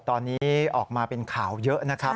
ตอนนี้ออกมาเป็นข่าวเยอะนะครับ